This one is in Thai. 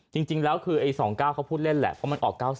จริงแล้วคือไอ้๒๙เขาพูดเล่นแหละเพราะมันออก๙๐